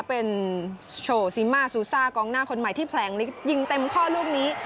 เป็นโชซิมาซูซ่ากองหน้าคนใหม่ที่แผลงลิกยิงเต็มข้อลูกนี้